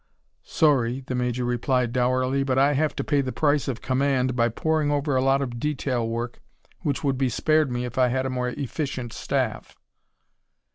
"Sorry," the Major replied, dourly, "but I have to pay the price of command by poring over a lot of detail work which would be spared me if I had a more efficient staff."